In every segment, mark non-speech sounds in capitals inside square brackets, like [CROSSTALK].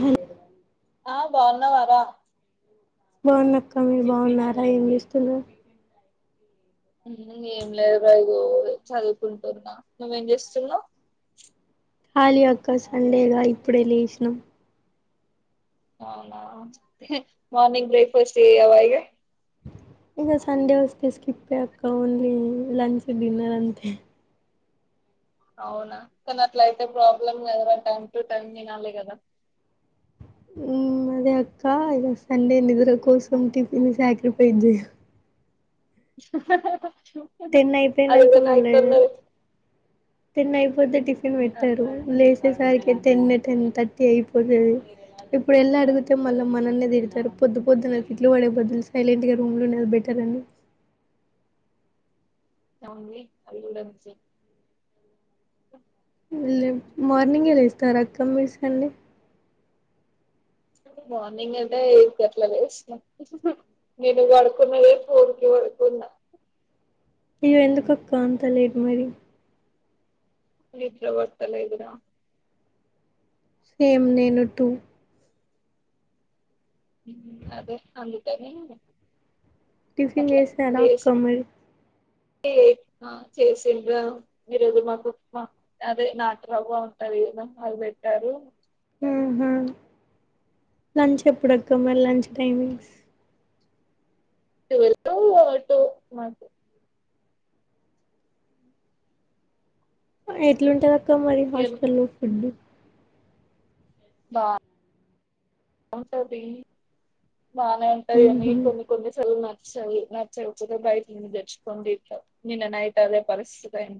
Hello ఆ బావున్నావరా బావున్నక్క మీరు బావున్నారా ఏం చేస్తున్నావ్ అయిన ఏం లేదురా ఇగో చదువుకుంటున్నా నువ్వేం చేస్తున్నావు [UNINTELLIGIBLE] ఖాళీ అక్క సండేగా ఇప్పుడే లేసినం అవునా మార్నింగ్ బ్రేక్ ఫాస్ట్ చెయ్యవ ఇగ ఇగ సండే వస్తే స్కిప్పే అక్క ఓన్లీ, లంచ్ డిన్నర్ అంతే. అవునా, కానీ అట్ల అయితే ప్రాబ్లమ్ గద ర టైమ్ టు టైమ్ తినాలి కదా. ఉమ్ అదే అక్క, ఇక సండే నిద్ర కోసం టిఫిన్ సాక్రిఫైస్ జెయ. టెన్ అయిపోయినాక అదే నైట్ మళ్ళీ అన్నది. టెన్ అయిపోతే టిఫిన్ వెట్టారు లేస్. అచ్చేసరికి టెన్ టెన్ తట్టి అయిపోతది ఇప్. ఇప్పుడు ఎళ్లా అడిగితే మళ్ళీ మనల్నే తిడతరు, పొద్దు పొద్దు తిట్లు వడే బద్దుల్స్ సైలెట్గా రూమ్ లో ఉండది బెటర్ అని. అవునీ అవిగుడ సేమ్. లేమ్ మార్నింగే లేస్తారా అక్క మీరు సండే. మార్నింగ్ అయితే ఈగట్ల లేస్త. నేను వడుకున్నదే ఫోర్ కి వడుకున్నా. ఇగ ఎందుకు కక్క అంత లెట్ మరి. నిద్ర వొస్తా లేదు రా. సేమ్ నేను టూ. అదే అందుకనే. టిఫిన్ చేసారా అక్క మరి. అంటే అ చేసీన్ల్ల ఇ రోజు మాకు ఉక్మ అదే నాటరవ్వ ఉంటంది. ఏమ్ ఆహాలు పెట్టారు. ఆహా లంచ్ ఎప్పుడక్క, మరి లంచ్ టైమింగ్స్. టువెల్ టు ఓ వన్ టు మాకి. ఎట్లుంటందక్క మరి హాస్టల్ ఫుడ్డు. బా ఉంటది బానే ఉంటది గాని ఉహు కొన్ని కొన్ని చదివిన. సారీ నచ్చకపోతే, బయటి ను దేచ్చుకోనీ దింట, నిన్న నైట్ అదే పరిస్థితి అయి.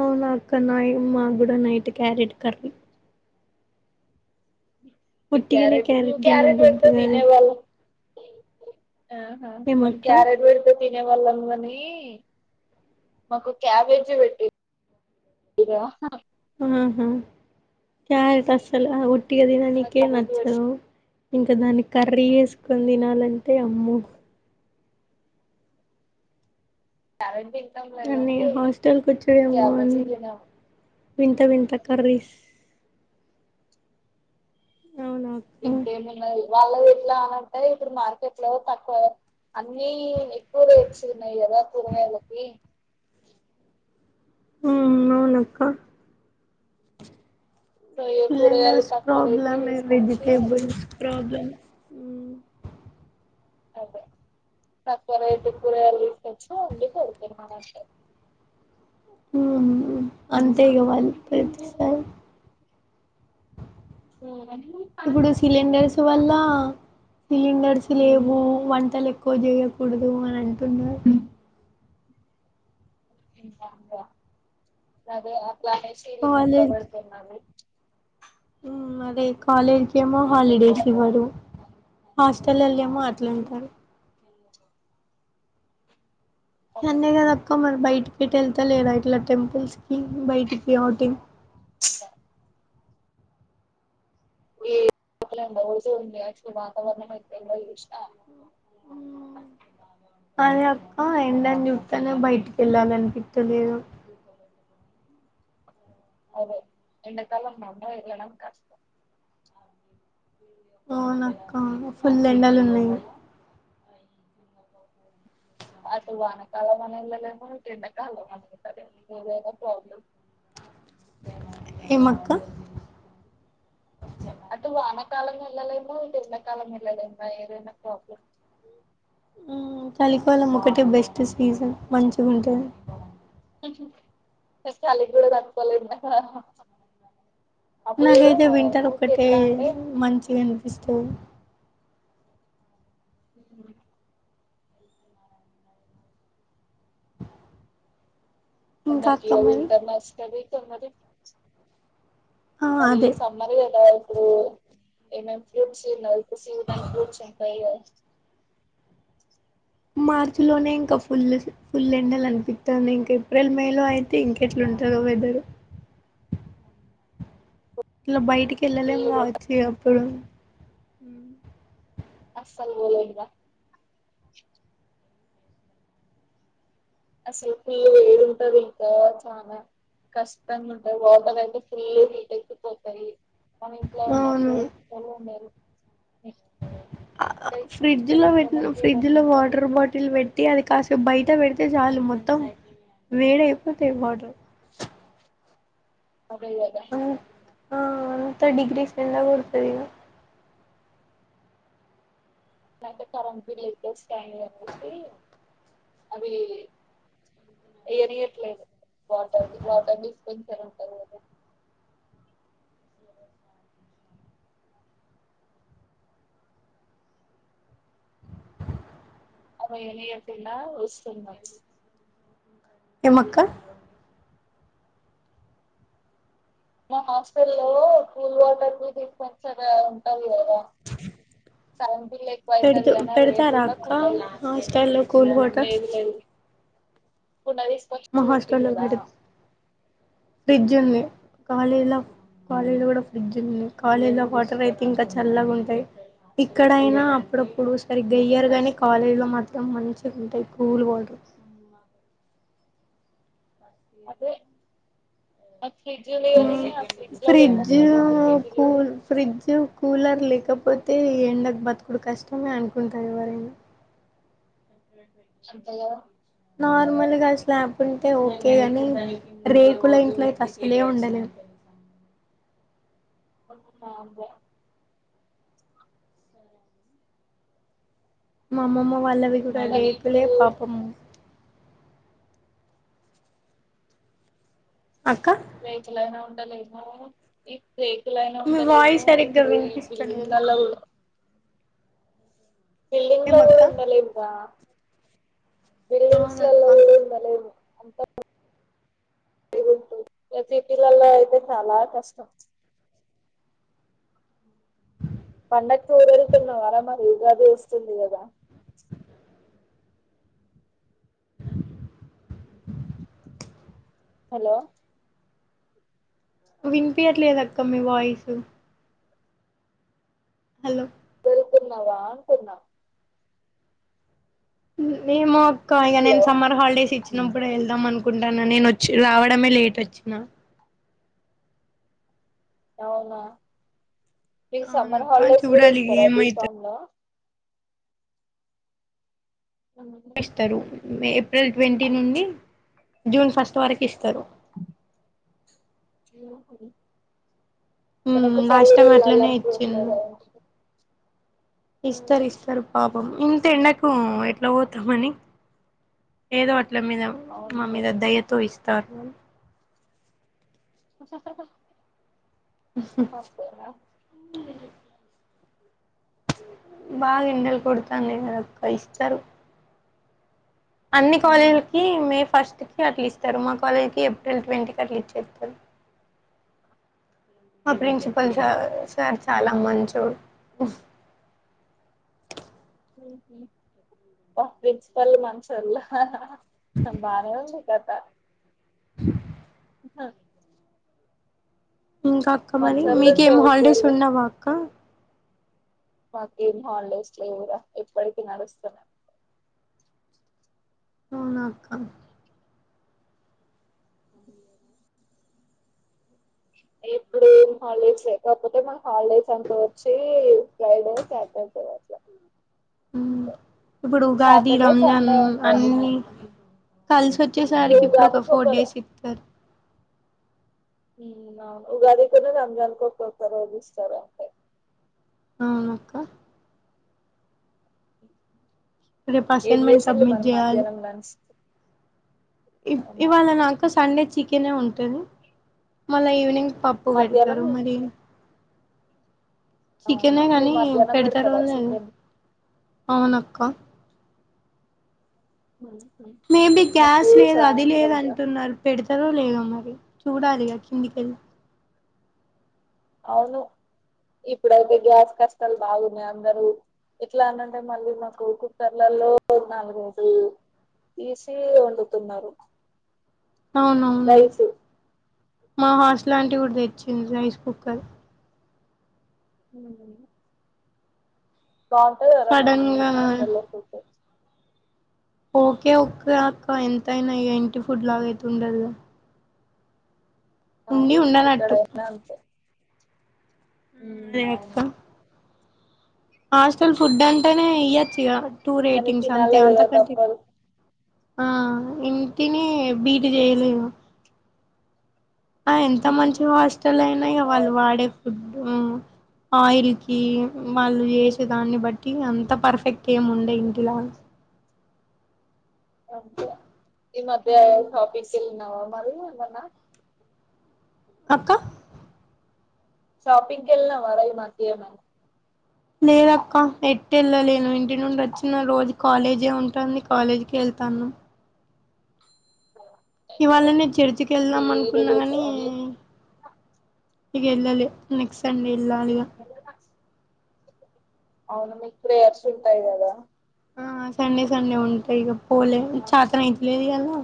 అవునా అక్క, నాయి మా కూడా నైట్, క్యారెట్ కర్రీ. ఈ ఒట్టిగానే క్యారట్, ఉమ్ క్యారెట్ తినబుద్ధి అంటే, కాదు తినేవాళ్ల. అ హా మేమ్ ఏమక్క క్యారెట్ గుడ తి. తినే వాళ్ళం గనీ, మాకు క్యాబేజీ పెట్టి. ఈగ హ హ. ఆహా క్యారెట్ అస్సలు, అ ఉట్టిగా తిననికే క్యాబేజీ పెడితే నచ్చదు. ఇంకా దాన్ని కర్రీ యేసుకొని తినాలంటే ఆమ్మో. కరంటీ. అన్ని హాస్టల్ కొచ్చాయేమో క్యాబేజీ అన్ని. తినం వింత వింత, కర్రీస్. అవునక్క ఇంకేమున్నాది, ఇవ్వాల గిట్ల అనక్కాయ్ ఇప్పుడు మార్కెట్ లో తక్కువ. అన్నీ, ఎక్కువ రేట్స్ ఉన్నాయి గదా, కూరగాయలకి. ఉమ్, అవునక్క. సో ఏ కూరగాయలు లండర్స్ తక్కువ రేటు ప్రాబ్లమ్, తీసుకొచ్చి వెజిటేబల్స్ ప్రాబ్లమ్. అదే. తక్కో రేట్ కూరగాయలు తీసుకొచ్చి వండి పెడతారు మన హాస్టల్. మ్మ్ అంతే ఇగ వండి పెట్టిస్సతల్. ఇప్పుడు సిలిండర్స్ వల్ల. సిలిండర్స్ లేవు, వంటలు ఎక్కువ జెయకూడదు, అని అంటున్నారు. ఓకే సరే అట్లా అనేసి నిన్ను ఇట్లా పెడుతున్ననీ. ఉమ్, అదే కాలేజ్ ఏమో హాలిడేస్ ఇవ్వరు, హాస్టల్ లల్ల ఏ. అమ్మ అట్లటారు. సండే గద అక్క, మరి బైటికి ఎటు అల్తాలేరా ఇట్లా టెంపుల్స్. ఉమ్ బైటికి ఔటింగ్. ఏ చు వాతవరణం ఎట్లుందో చుసున అదే అక్క ఎండని జూత్తనే బయటికెళ్లాలనిపిత్తలేదు అదే ఎండకాలం మమ్మ ఎల్లడం కష్టం అవునక్క ఫుల్ ఎండలున్నాయి అసలు వానకాలం మనల మంటడాకాల మన ప్రాబ్లమ్ ఎమక్కా అటు వానకాలంలో ఎల్లలేము ఎండకాలం ఎల్లలేము ఏదన్న ప్రోబ్లమ్ ఉమ్ చలికాలం ఒకటే బెస్ట్ సీజన్ మంచిగుంటది చలిగ్గూడా తట్టుకోలేము గదా నాకైతే వింటర్ ఒక్కటే అంటే మంచిగనిపిస్తది ఊహు ఇంకా కొందరికి అక్క ఇగ మరి వింటర్ నచ్చుతది కొందరి ఆ మరి అదే సమ్మర్ గదా ఇప్పుడు ఏమేమి ఫ్రూట్స్ ఉన్నాయ్ సూడన్ ఫ్రూట్స్ ఉంటాయ్ గదా మార్చ లోనే ఇంకా ఫుల్ ఫుల్ ఎండలు అనిపిస్తుంది ఇంకా ఏప్రిల్ మే లో అయితే ఇంకెట్లాంటుంది టదో వెదరు ఇలా బయటికి ఎళ్ళలేం గావచ్చు ఇగప్పుడు అస్సలు పోలేం రా అస్సలు ఫుల్లు వేడున్టాందిక చానా కష్టంగుంటది వాటర్ అయితే ఫుల్ హీటెక్కిపోతాయి మన ఇంట్లో ఉన్నట్టు అవును ఓలు ఉండరు ఫ్రిడ్జ్ లో పెట్టిన ఫ్రిడ్జ్ లో ఉంటది. వాటర్ బాటిల్ పెట్టి అది కాస్త బయట పెట్ అతే జాలు మొత్తం వేడయిపోతాయి వాటర్ అదల్దా ఆ అంత డిగ్రీస్ ఎండ కొడతదిగ మ కరంట్ ఏరియట్లేదు వాటర్ ని వాటర్ ని స్కెస ఉంటారు అద అ ఏ ఎప్పిన వస్తుంద ఏమక్క మా హాస్టల్ లో కూల్ వాటర్లు తీసుకొని సరే ఉంటంది కదా సగు లు ఎక్కువ పెడుతు అవుతది అని వే పెడతారా అక్క చండకుండయి హాస్టల్లో కూల్ వాటర్ లేదు లేదు కుండ మా దిస్కాచ్చి పెట్టిరు హాస్టల్లో కదా పెడు ఫ్రిడ్జ్ ఉంది కాలేజీ లో కాలేజీ లో గుడా ఫ్రిడ్జ్ ఉంది కాలేజీ లో వాటర్ అయితే ఇంకా చల్లగా ఉంటాయి ఇక్కడయినా అప్పుడప్పుడు సరిగ్గెయ్యర్ గాని కాలేజ్ లో మాత్రం మంచిగా ఉంటాయి కూల్ వాటర్ అదే నాకు ఫ్రిడ్జ్ లేదని ఆ లో ఫ్రిడ్జ్ పెట్టనియరు రెండు ఫ్రిడ్జ్లు కూల్ ఉన్నాయి ఫ్రిడ్జ్ కూలర్ లేకపో అయితే ఈ ఎండకు బతుకుడు కష్టమే అనుకుంటారు ఎవరైనా అంతే గదా నార్మల్గా స్లాబ్ ఉంటే ఓకే గాని రేకుల ఇంట్లో అయితే అసలే ఉండలేము అబ్బ మా అమ్మమ్మ వాళ్ళవి గూడా కానీ ఇప్పుడు రేకులే పాపమ్మ అక్క రేకులయినా ఉండలేము రేకులయినా మీ ఉండలేము వాయిస్ సరిగ్గా ఇప్పుడు ఈ వినిపిస్తలేదు ఇండ్లల్లా బిల్డింగ్ లో కూడ ఏమక్క ఉండలేం కా బిల్డింగ్స్ అవునక్క లలో కూడ ఉండలేము. అంత మీరుంటే, ఇ సిటీలలో అయితే చాలా కష్టం. పండక్కి ఊరెళ్తున్నావా రా మరి, ఉగాది వస్తుంది కదా! హలో వినిపియట్లేద్ అక్క మీ వాయిసు. హలో పోతున్నావా అంటున్న. నేమో అక్క ఇగ నేను హలో సమ్మర్ హాలిడేస్ ఇచ్చి, వచ్చినప్పుడె వెళ్దాం అనుకుంటాన. నేను వచ్చి రావడమే లేట్ వచ్చిన. అవునా! మీకు సమ్మర్ అవునక్క హాలిడేస్ కూడ చూడాలి ఇస్తారా ఏమైతదో బీఫామ్ లో? ఇస్తరు. ఏప్రిల్ ట్వంటీ నుండి జూన్ ఫస్ట్ వరకు ఇస్తారు. టూ హై ఇప్పుడు మ్మ్ ఒకసారి లాస్ట్ కూడ టైం అట్లనే వెళ్లాలనిపియట్లేదా ఏంటి? ఇస్తరిస్తరు పాప్ ఇంత ఎండకు ఎట్ల పోతమని, ఏదో అట్ ఇట్ల మీద మా అవును మీద దయతో ఇస్తారు. ఓకె నా బాగ ఎండలు కొడతానయి కాదక్కా ఇస్తరు. అన్ని ఉమ్. కాలేజీలకి మే ఫస్ట్ కి అట్లిస్తారు. మా కాలేజ్ కి ఏప్రిల్ ట్వంటీ కి అట్ల ఇచ్చేత్తారు మా ప్రిన్సిపల్ స సార్ చాలా మంచోడు. హ్మ్ మ్హు. భా, ప్రిన్సిపల్ మంచొల్ల! బానే ఉంది. కథ. మ్ హ ఇంకా అక్క మరి? మంచోళ్ళు ఉంటే మీకేం హాలిడేస్ ఓకేలే ఉండవా అక్క? మాకేం హాలిడేస్ లేవుర. ఎప్పటికి నడుస్తనె ఉంటాయి. అవునా అక్క. ఇప్పుడేం హాలిడేస్ లేవ్. కాకపోతే మాక్ హాలిడేస్ అంతా వచ్చివి ఫ్రైడే, సాటర్డే అట్ల. మ్ ఇప్పుడు ఉగాది, సాటర్డే రంజాన్ సండే ఉంటది అన్ని, ఈ కలిసోచ్చేసరికి ఇప్పుడు ఒక ఉగాదికి ఫోర్ డేస్ ఇత్తరు. మ్ అవును. ఉగాదికూను రంజాన్ కి ఒక్కొక్క రోజు ఇస్తారు అంతె. అవున అక్క రేపు ఏం అసైన్మెంట్ చేసిళ్ళు సబ్మిట్ మరి చేయాలి. మధ్యాహ్నం లంచ్ ఇవ్ అవునా ఇవాళ నాకు సండే చికెనే ఉంటది. మళ్ళా ఈవినింగ్ పప్పు మధ్యాహ్నం పెడతారు మరి, అవునా చికెనే మీరు కానీ, మధ్యాహ్నం పెడతారో పెడతారా లేదో. చికెన్ అవునక్క. మేబి మాకు గ్యాస్ లేదు అది లేదు సాయంత్రం రా అంటున్నారు. పెడు ఉంటారో లేదో మరి. చూడాలిగ కిందికెళ్ళి. అవును. ఇప్పుడైతే గ్యాస్ కష్టాలు బాగున్నాయి. అందరూ, ఎట్ల అన్నంటే మళ్ళీ మా స్కూల్ కుక్కర్లలో నాలుగేసి ఏసీ వండుతున్నారు. అవునవును. రైస్ మా హాస్టల్ ఆంటీ కూడ తెచ్చింది రైస్ కుక్కర్. [UNINTELLIGIBLE] బాగుంటాదా ర మరి మీ సడన్ గా హాస్టల్లో ఫుడ్? ఓకె ఓకె అక్క. ఎంతయినా, ఎంటి ఫుడ్ లాగైతే ఉండదుగా ఉండి అవును ఉండనట్టు ఎక్కడైనా అంతే అదే ఉమ్ అక్క అవును హాస్టల్ ఫుడ్ అంటేనే ఇయ్యోచ్చు ఇగ టూ కానీ రేటింగ్స్ అంతే తినాలే కదా అంతకంటే తప్పదు ఆ ఇంటిని బీట్ చేయలేము అ ఎంత మంచి హాస్టల్ అయినా ఇగ వాళ్ళు అవును వాడే ఫుడ్ ఉమ్మ్ ఆయిల్ కి వాళ్ళు ఇం చేసే దాన్ని బట్టి అంత పర్ఫెక్ట్ ఏముండే ఇంటిలా అంతే ఈ మధ్య షాపింగ్ వెళ్ళినవా మరి ఏమన్నా అక్క షాపింగ్ కి ఏళ్లినవా ఈ మధ్య ఏమైనా లేదక్క ఎటేల్లలేను ఇంటి నుండి వచ్చిన రోజు కాలేజే ఉంటుంది కాలేజ్కి వెళ్ తను ఇవాళనే చర్చికి వెళ్దాం ఈ అనుకున్నా రోజు గాని ఓన్లీ ఇగ ఎల్లలే నెక్స్ట్ సండే ఏల్లాలిగా అవును మీ ప్రేయర్స్ ఉంటాయి కదా ఆ సండే సండే ఉంటాయి ఇక పోలే చాత నాయ్ తలేదు అలా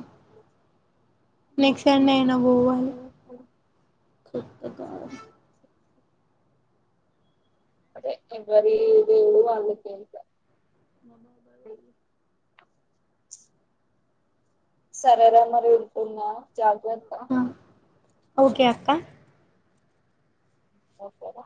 నెక్స్ట్ సండే అయినా పోవాలి ఉహు. అదే ఎవరి దేవుడు వాళ్ళకే అట్లా సరేరా మరి ఇకున్నా జాగ్రత్త ఓకే అక్క ఒకే రా